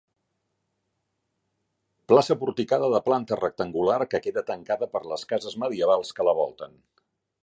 Plaça porticada de planta rectangular que queda tancada per les cases medievals que la volten.